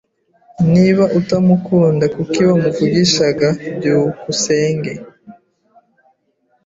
Niba utamukunda, kuki wamuvugishaga? byukusenge